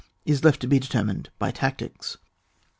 is left to be determined by tactics.